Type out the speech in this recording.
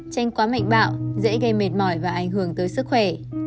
tranh quá mạnh bạo dễ gây mệt mỏi và ảnh hưởng tới sức khỏe